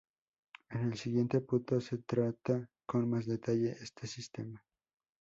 En el siguiente punto se trata con más detalle este sistema.